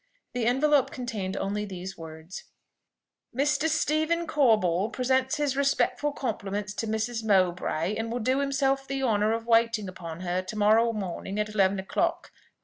The envelope contained only these words: "Mr. Stephen Corbold presents his respectful compliments to Mrs. Mowbray, and will do himself the honour of waiting upon her to morrow morning at eleven o'clock."